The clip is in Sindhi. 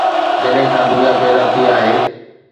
جڏهن کان دنيا پيدا ٿي آهي.